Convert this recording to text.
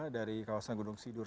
dari kawasan gunung sindur